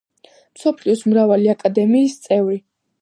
მსოფლიოს მრავალი აკადემიის წევრი.